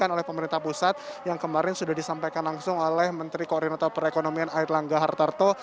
yang dilakukan oleh pemerintah pusat yang kemarin sudah disampaikan langsung oleh menteri koordinator perekonomian air langga hartarto